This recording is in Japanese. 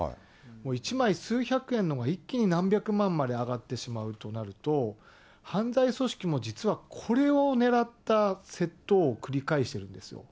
１枚数百円のが、一気に何百万まで上がってしまうとなると、犯罪組織も実はこれを狙った窃盗を繰り返してるんですよ。